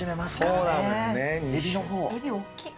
エビ、大きい。